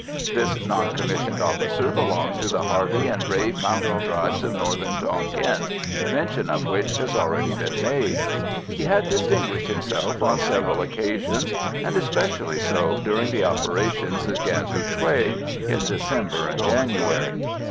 This non commissioned officer belonged to the hardy and brave mountain tribes of Northern Tonquin, mention of which has already been made. He had distinguished himself on several occasions, and especially so during the operations against Hou Thué in December and January.